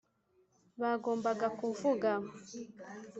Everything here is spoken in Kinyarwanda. bagombaga kuvuga